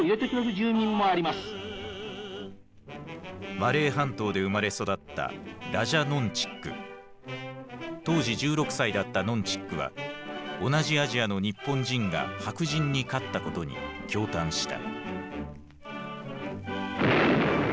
マレー半島で生まれ育った当時１６歳だったノン・チックは同じアジアの日本人が白人に勝ったことに驚嘆した。